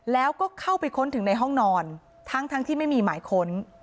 แล้วก็เข้าไปค้นถึงในห้องนอนทั้งที่ไม่มีหมายค้น